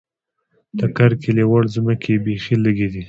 د کرکیلې وړ ځمکې یې بېخې لږې دي.